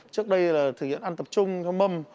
trước đây là thực hiện ăn tập trung cho mâm